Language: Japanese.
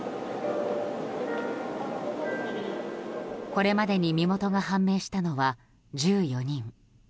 これまでに身元が判明したのは１４人。